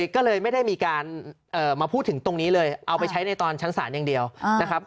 ก็เลยไม่ได้มีการมาพูดถึงตรงนี้เลยเอาไปใช้ในตอนชั้นศาลอย่างเดียวนะครับ